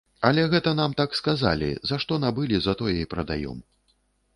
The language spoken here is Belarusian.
Але гэта нам так сказалі, за што набылі за тое і прадаём.